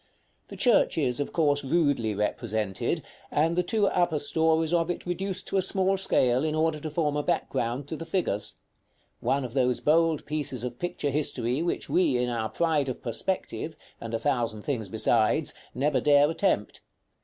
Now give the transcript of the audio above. The church is, of course, rudely represented, and the two upper stories of it reduced to a small scale in order to form a background to the figures; one of those bold pieces of picture history which we in our pride of perspective, and a thousand things besides, never dare attempt.